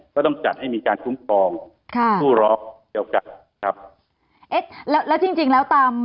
ก็ต้องจัดให้มีการคุ้มครองค่ะผู้ร้องเดียวกันครับเอ๊ะแล้วแล้วจริงจริงแล้วตาม